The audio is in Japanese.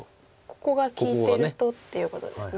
ここが利いてるとっていうことですね。